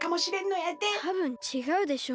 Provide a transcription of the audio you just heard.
たぶんちがうでしょ。